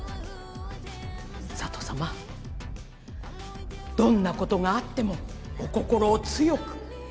佐都さまどんなことがあってもお心を強く。